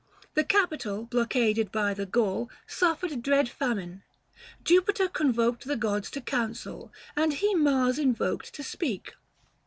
The capitol blockaded by the Gaul Suffered dread famine. Jupiter convoked 415 The gods to council ; and he Mars invoked To speak.